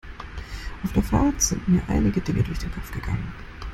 Auf der Fahrt sind mir einige Dinge durch den Kopf gegangen.